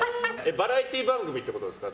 バラエティー番組ってことですか？